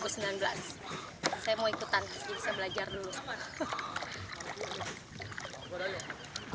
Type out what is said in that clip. saya mau ikutan jadi saya belajar dulu